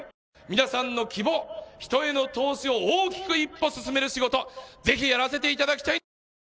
皆さんの希望、人への投資を大きく一歩進める仕事、ぜひ、やらせていただきたい。